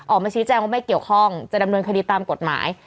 ออกมาชี้แจ้งว่าไม่เกี่ยวข้องจะดำเนินคดีตามกฎหมาย